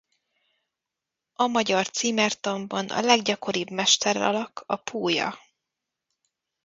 A magyar címertanban a leggyakoribb mesteralak a pólya.